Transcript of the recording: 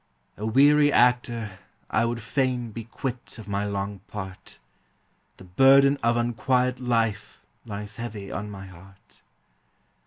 A weary actor, I would fain Be quit of my long part; The burden of unquiet life Lies heavy on my heart.